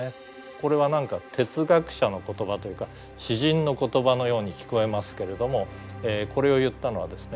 これは何か哲学者の言葉というか詩人の言葉のように聞こえますけれどもこれを言ったのはですね